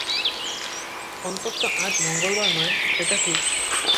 অন্তত আজ মঙ্গলবার নয়, সেটা ঠিক।